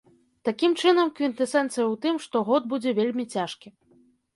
Такім чынам, квінтэсэнцыя у тым, што год будзе вельмі цяжкі.